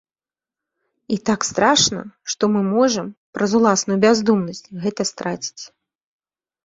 І так страшна, што мы можам, праз уласную бяздумнасць, гэта страціць.